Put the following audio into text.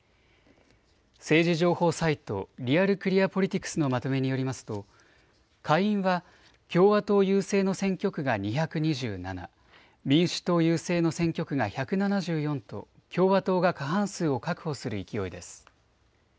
政治情報サイト、リアル・クリア・ポリティクスのまとめによりますと下院は共和党優勢の選挙区が２２７、民主党優勢の選挙区が１７４と共和党が過半数を確保する勢いです。